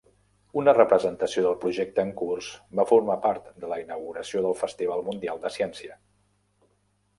Una representació del projecte en curs va formar part de la inauguració del Festival Mundial de Ciència.